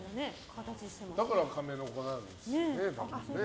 だからカメノコなんですね。